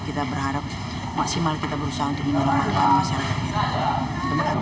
kita berharap maksimal kita berusaha untuk mengembangkan masyarakat